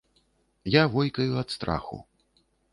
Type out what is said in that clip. Я войкаю ад страху.